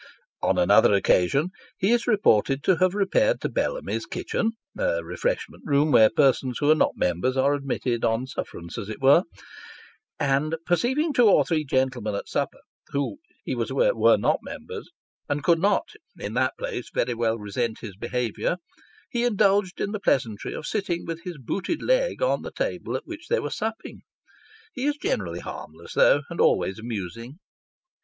On another occasion, he is reported to have repaired to Bellamy's kitch'en a refreshment room, where persons who are not Members are admitted on sufferance, as it were and perceiving two or three gentlemen at supper, who he was aware were not Members, and could not, in that place, very well resent his behaviour, he indulged in the pleasantry of sitting with his booted leg on the table at which they were supping I He is generally harmless, though, and always amusing.